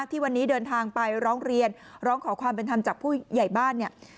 ที่วันนี้เดินทางไปร้องเรียนร้องขอความเป็นธรรมจากผู้ใหญ่บ้านเนี่ย